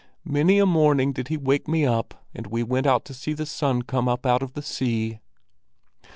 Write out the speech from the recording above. Many a morning did he wake me up and we went out to see the sun come up out of the sea.